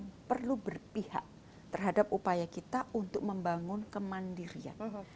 karena kita perlu berpihak terhadap upaya kita untuk membangun kemandirian